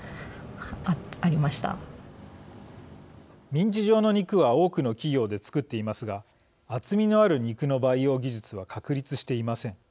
ミンチ状の肉は多くの企業で作っていますが厚みのある肉の培養技術は確立していません。